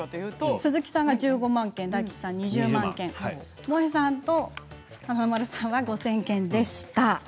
鈴木さんが１５万件大吉さんは２０万件もえさんと華丸さんが５０００件でした。